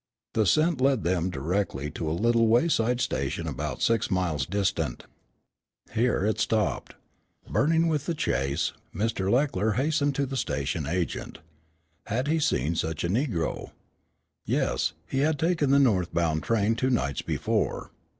The scent led them directly to a little wayside station about six miles distant. Here it stopped. Burning with the chase, Mr. Leckler hastened to the station agent. Had he seen such a negro? Yes, he had taken the northbound train two nights before.